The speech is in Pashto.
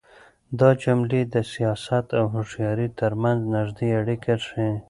دا جملې د سياست او هوښيارۍ تر منځ نږدې اړيکه ښيي.